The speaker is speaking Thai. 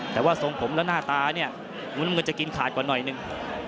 แต่ว่าทรงผมและหน้าตาเนี่ยมุมน้ำเงินจะกินขาดกว่าหน่อยหนึ่ง